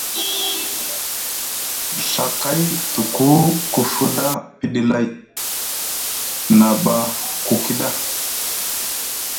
Ɵa kay tuku ku fuɗa piɗi lay, na ɓa ku kiɗa.